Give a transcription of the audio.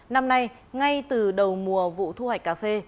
năm nay ngay từ đầu mùa vụ thu hoạch cà phê